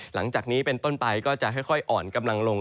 หลังจากนี้เป็นต้นไปก็จะค่อยอ่อนกำลังลง